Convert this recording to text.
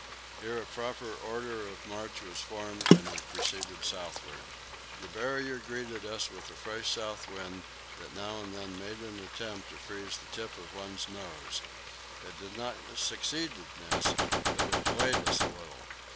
Here a proper order of march was formed, and we proceeded southward. The Barrier greeted us with a fresh south wind, that now and then made an attempt to freeze the tip of one's nose; it did not succeed in this, but it delayed us a little.